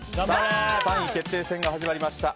３位決定戦が始まりました。